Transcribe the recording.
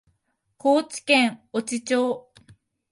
高知県越知町